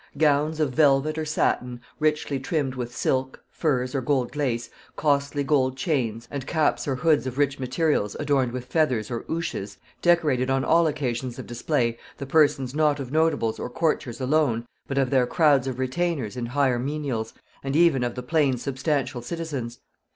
Gowns of velvet or satin, richly trimmed with silk, furs, or gold lace, costly gold chains, and caps or hoods of rich materials adorned with feathers or ouches, decorated on all occasions of display the persons not of nobles or courtiers alone, but of their crowds of retainers and higher menials, and even of the plain substantial citizens.